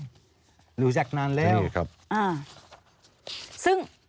ปีอาทิตย์ห้ามีสปีอาทิตย์ห้ามีส